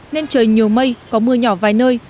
nên trời nhiều mây có mưa nhỏ vài nơi